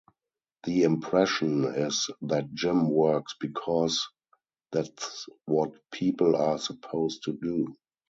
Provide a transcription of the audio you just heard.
The impression is that Jim works because that's what people are supposed to do.